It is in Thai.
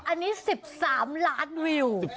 อันนี้๑๓ล้านวิว